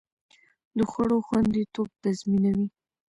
د خوړو خوندیتوب تضمینوي.